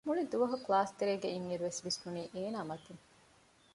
މުޅި ދުވަހު ކްލާސްތެރޭ އިން އިރު ވިސްނުނީ އޭނާ މަތިން